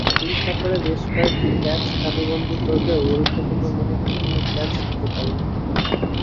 এ সফরে বেশ কয়েকটি ক্যাচ তালুবন্দী করলেও গুরুত্বপূর্ণ মুহুর্তে তিনি ক্যাচ নিতে পারেননি।